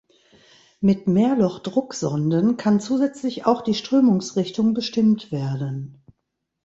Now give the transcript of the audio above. Mit Mehrloch-Drucksonden kann zusätzlich auch die Strömungsrichtung bestimmt werden.